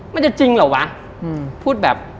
มันจะจริงเหรอวะพูดแบบ